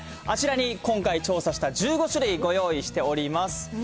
あちらに今回、調査した１５種類、ご用意しております。